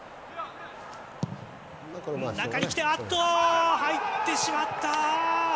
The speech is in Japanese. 中に来て、入ってしまった！